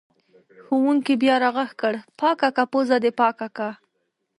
ښوونکي بیا راغږ کړ: پاکه که پوزه دې پاکه که!